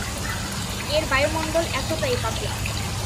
এর বায়ুমন্ডল এতটাই পাতলা।